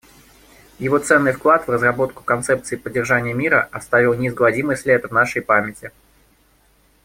Его ценный вклад в разработку концепции поддержания мира оставил неизгладимый след в нашей памяти.